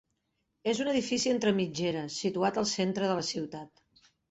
És un edifici entre mitgeres situat al centre de la ciutat.